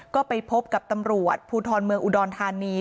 ก็ไปพบกับตำรวจภูทรเมืองอุดรธานี